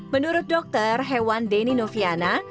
menurut dokter hewan denny noviana